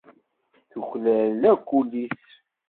tuklal akk ul-is.